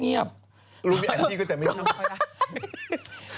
รู้มีไอ้ที่ก็แต่ไม่รู้